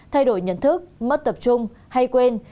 thay đổi nhận thức mất tập trung hay quên